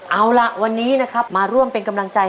เอาล่ะวันนี้นะครับมาร่วมเป็นกำลังใจ